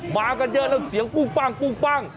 มากันเยอะแล้วเสียงปุ้งปั้ง